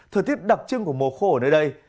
thời tiết đặc trưng của mùa khô ở nơi đây